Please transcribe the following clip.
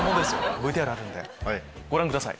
ＶＴＲあるんでご覧ください。